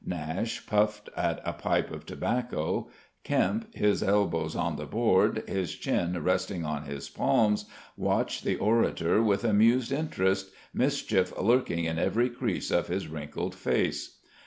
Nashe puffed at a pipe of tobacco. Kempe, his elbows on the board, his chin resting on his palms, watched the orator with amused interest, mischief lurking in every crease of his wrinkled face.